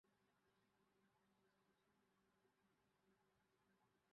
I think I've cried.